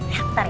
ya bentar ya